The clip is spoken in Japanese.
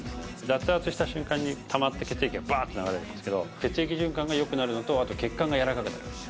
脱圧した瞬間にたまった血液がバーッと流れるんですけど血液循環が良くなるのとあと血管がやわらかくなります